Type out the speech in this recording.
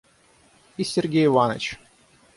И Сергей Иваныч!